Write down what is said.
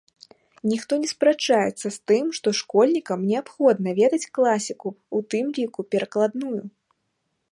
Ніхто не спрачаецца з тым, што школьнікам неабходна ведаць класіку, у тым ліку перакладную.